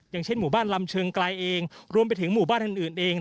อย่างเช่นหมู่บ้านลำเชิงไกลเองรวมไปถึงหมู่บ้านอื่นเอง